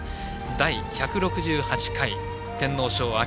第１６８回天皇賞。